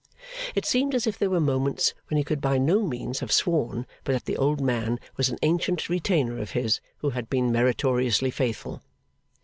It seemed as if there were moments when he could by no means have sworn but that the old man was an ancient retainer of his, who had been meritoriously faithful.